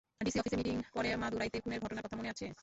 DC অফিসের meeting পরে মাদুরাইতে খুনের ঘটনার কথা মনে আছে?